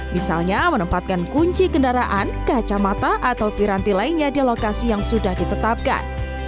misalnya menempatkan kunci kendaraan kacamata atau piranti lainnya di lokasi yang sudah ditetapkan